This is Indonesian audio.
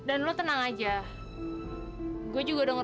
ayolah belakangan lo beda namal